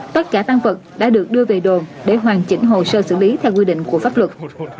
tất cả tan vật đã được đưa về đồn để hoàn chỉnh hồ sơ xử lý theo quy định của pháp luật